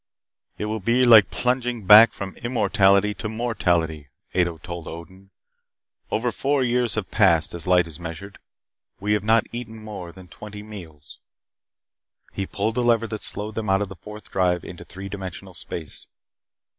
"It will be like plunging back from immortality to mortality," Ato told Odin. "Over four years have passed, as light is measured. We have not eaten more than twenty meals." He pulled the lever that slowed them out of the Fourth Drive into three dimensional space.